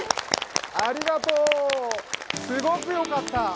ありがとう、すごくよかった！